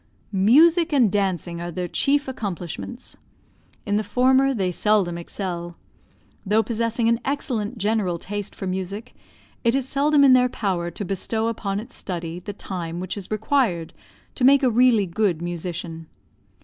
Music and dancing are their chief accomplishments. In the former they seldom excel. Though possessing an excellent general taste for music, it is seldom in their power to bestow upon its study the time which is required to make a really good musician.